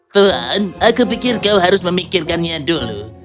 tuan aku pikir kau harus memikirkannya dulu